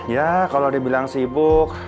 ya kalo dia bilang sibuk